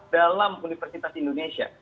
dalam universitas indonesia